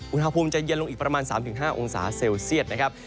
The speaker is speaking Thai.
อุณหภูมิจะเย็นลงอีกประมาณ๓๕องศาเซลเซียตนะครับ